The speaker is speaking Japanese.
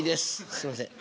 すみません。